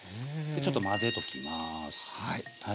ちょっと混ぜときます。